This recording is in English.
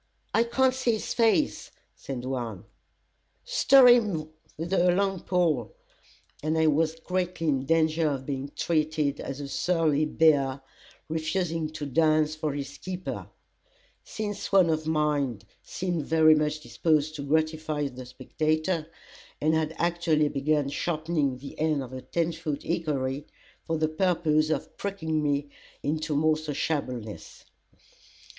"I can't see his face," said one. "Stir him with a long pole!" and I was greatly in danger of being treated as a surly bear, refusing to dance for his keeper; since one of mine seemed very much disposed to gratify the spectator, and had actually begun sharpening the end of a ten foot hickory, for the purpose of pricking me into more sociableness.